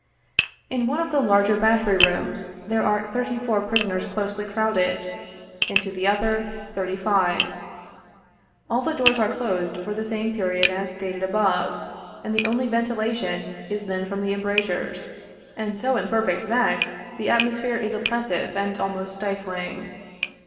Into one of the larger battery rooms, there are thirty four prisoners closely crowded ; into the other, thirty five. All the doors are closed for the same period as stated above, and the only ventilation is then from the embrasures, and so imperfect that 30 the atmosphere is oppressive and almost stifling.